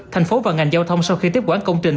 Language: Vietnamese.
thành phố và ngành giao thông sau khi tiếp quản công trình